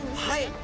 はい。